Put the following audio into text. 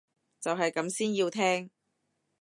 就係咁先要聽